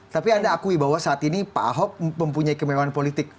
tapi anda akui bahwa saat ini pak ahok mempunyai kemewahan politik